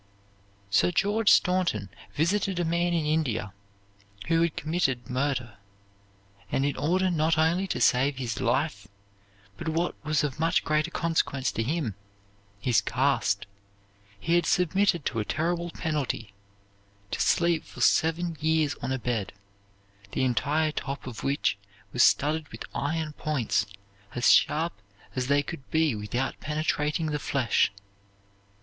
Sir George Staunton visited a man in India who had committed murder; and in order not only to save his life, but what was of much greater consequence to him, his caste, he had submitted to a terrible penalty, to sleep for seven years on a bed, the entire top of which was studded with iron points, as sharp as they could be without penetrating the flesh.